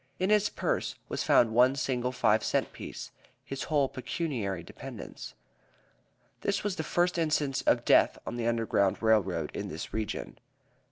In his purse was found one single five cent piece, his whole pecuniary dependence. This was the first instance of death on the Underground Rail Road in this region.